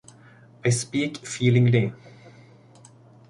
I speak feelingly.